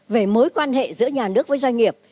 về mối quan hệ giữa nhà nước với doanh nghiệp